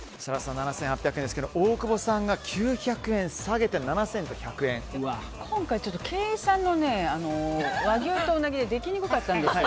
７８００円ですが大久保さんが９００円下げて今回、計算が和牛とウナギでできにくかったんです。